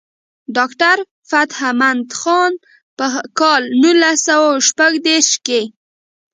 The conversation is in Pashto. ډاکټر فتح مند خان پۀ کال نولس سوه شپږ دېرشم کښې